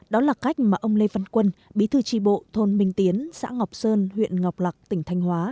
đó là cách mà ông lê văn quân bí thư tri bộ thôn minh tiến xã ngọc sơn huyện ngọc lạc tỉnh thanh hóa